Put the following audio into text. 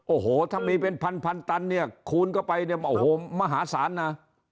โอ้โหถ้ามีเป็นพันตันเนี่ยคูณเข้าไปเนี่ยโอ้โหมหาศาลนะ